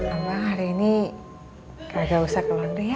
abang hari ini kagak usah ke laundry ya